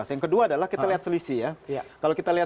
yang kedua adalah kita lihat selisih ya